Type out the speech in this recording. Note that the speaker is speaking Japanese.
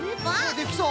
できそう？